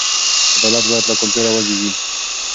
عدالت باید له کلتوره وزېږي.